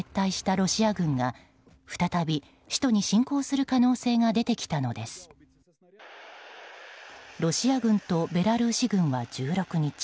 ロシア軍とベラルーシ軍は１６日